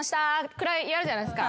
くらいやるじゃないですか。